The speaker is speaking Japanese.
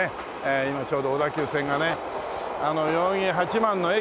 今ちょうど小田急線がね代々木八幡の駅を出ました！